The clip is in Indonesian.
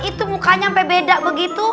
itu mukanya sampai beda begitu